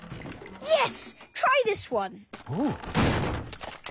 よし！